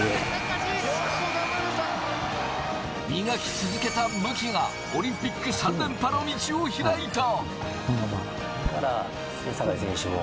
磨き続けた武器がオリンピック３連覇の道を開いた。